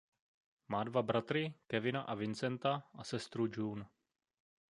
Má dva bratry Kevina a Vincenta a sestru June.